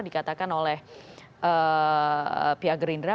dikatakan oleh pihak gerindra